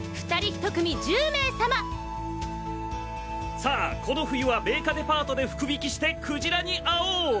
さあこの冬は米花デパートで福引してクジラに会おう！